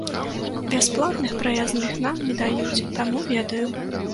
Бясплатных праязных нам не даюць, таму ведаю.